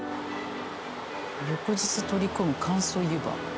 翌日取り込む乾燥湯葉。